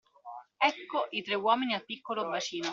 Ecco i tre uomini al piccolo bacino.